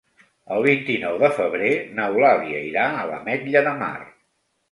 El vint-i-nou de febrer n'Eulàlia irà a l'Ametlla de Mar.